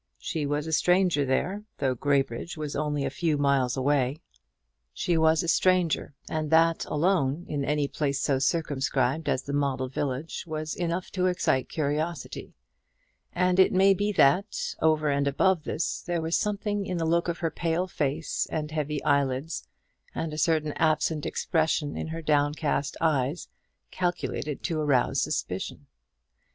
She was a stranger there, though Graybridge was only a few miles away; she was a stranger, and that alone, in any place so circumscribed as the model village, was enough to excite curiosity; and it may be that, over and above this, there was something in the look of her pale face and heavy eyelids, and a certain absent expression in her downcast eyes, calculated to arouse suspicion.